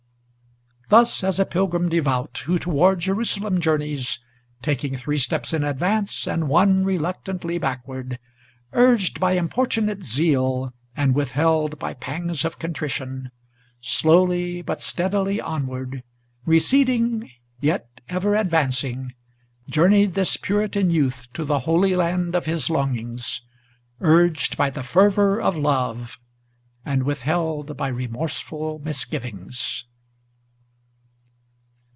Thus, as a pilgrim devout, who toward Jerusalem journeys, Taking three steps in advance, and one reluctantly backward, Urged by importunate zeal, and withheld by pangs of contrition; Slowly but steadily onward, receding yet ever advancing, Journeyed this Puritan youth to the Holy Land of his longings, Urged by the fervor of love, and withheld by remorseful misgivings.